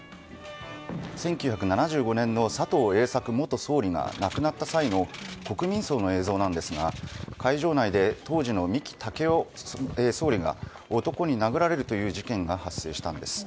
１９７５年の佐藤栄作元総理が亡くなった際の国民葬の映像ですが、会場内で当時の三木武夫総理が男に殴られるという事件が発生したんです。